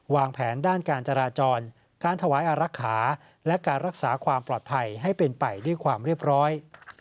วางแผนด้านการจราจรการถวายอารักษาและการรักษาความปลอดภัยให้เป็นไปด้วยความเรียบร้อย